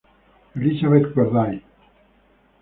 Elizabeth Corday.